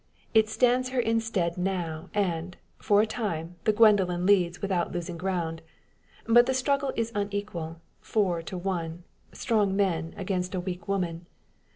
It stands her in stead now, and, for a time, the Gwendoline leads without losing ground. But the struggle is unequal four to one strong men, against a weak woman!